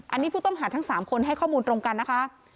อันนี้ผู้ต้องหาทั้ง๓คนให้ข้อมูลตรงกันนะคะ